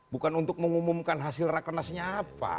bukan untuk mengumumkan hasil rakernasnya apa